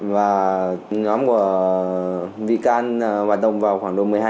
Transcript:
và nhóm của vị can bạt động vào khoảng một mươi hai h